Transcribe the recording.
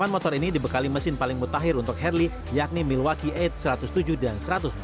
delapan motor ini dibekali mesin paling mutakhir untuk harley yakni milwaki delapan satu ratus tujuh dan satu ratus empat puluh